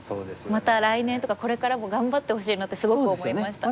また来年とかこれからも頑張ってほしいなってすごく思いました。